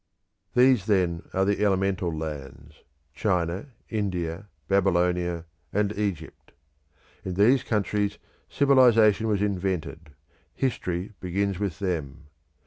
These then are the elemental lands; China, India, Babylonia, and Egypt. In these countries civilisation was invented; history begins with them.